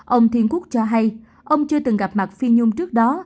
ông thiên quốc cho hay ông chưa từng gặp mặt phi nhung trước đó